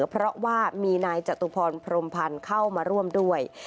เพราะว่ามีนายจตุพรพรมพันธ์เข้ามาร่วมด้วย